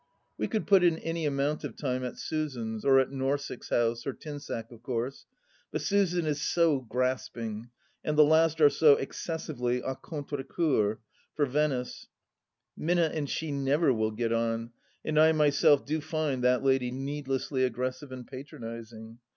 We could put in any amount of time at Susan's, or at Norssex House, or Tinsack, of course, but Susan is so grasping, and the last are so excessively d contre cceur for Venice 1 Minna and she never will get on, and I myself do find that lady needlessly aggressive and patronizing.